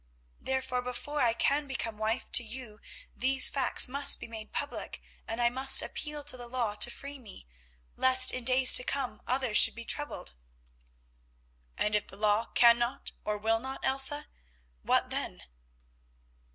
Therefore, before I can become wife to you these facts must be made public, and I must appeal to the law to free me, lest in days to come others should be troubled." "And if the law cannot, or will not, Elsa, what then?"